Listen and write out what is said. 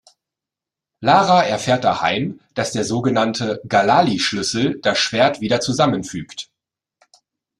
Lara erfährt daheim, dass der sogenannte „Ghalali-Schlüssel“ das Schwert wieder zusammenfügt.